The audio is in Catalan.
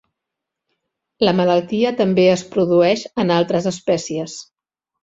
La malaltia també es produeix en altres espècies.